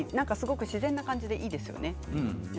自然な感じでいいですよね。